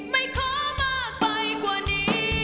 ไม่ขอมากไปกว่านี้